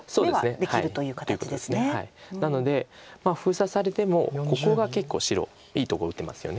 なので封鎖されてもここが結構白いいところ打ってますよね。